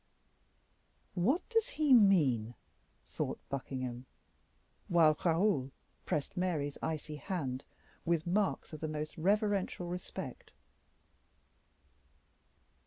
"What does he mean?" thought Buckingham, while Raoul pressed Mary's icy hand with marks of the most reverential respect.